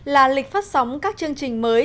là lịch phát sóng các chương trình mới